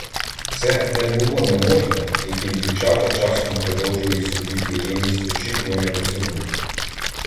Це не було "не можна", яким дівчата часом продовжують собі приємність очікування поцілунку.